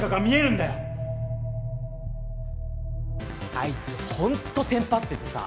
あいつホントテンパっててさ。